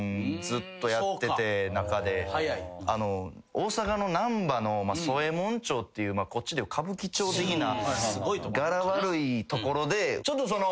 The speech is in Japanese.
大阪の難波の宗右衛門町っていうこっちでいう歌舞伎町的な柄悪い所で。